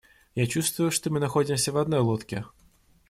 Я чувствую, что мы находимся в одной лодке.